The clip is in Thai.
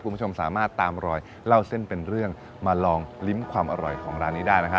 คุณผู้ชมสามารถตามรอยเล่าเส้นเป็นเรื่องมาลองลิ้มความอร่อยของร้านนี้ได้นะฮะ